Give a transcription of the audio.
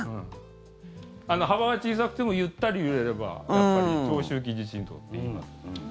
幅は小さくてもゆったり揺れればやっぱり長周期地震動って言います。